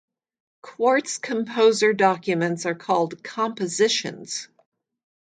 Quartz Composer documents are called "Compositions".